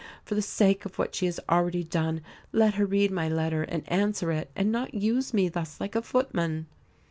For the sake of what she has already done, let her read my letter and answer it, and not use me thus like a footman."